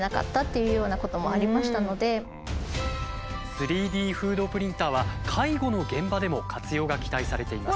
３Ｄフードプリンターは介護の現場でも活用が期待されています。